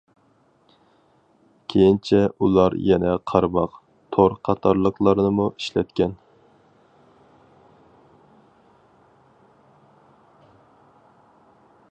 كېيىنچە ئۇلار يەنە قارماق، تور قاتارلىقلارنىمۇ ئىشلەتكەن.